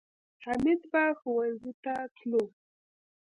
حمید به ښوونځي ته تلو